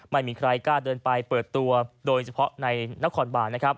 ไม่มีใครกล้าเดินไปเปิดตัวโดยเฉพาะในน้องคอนบาน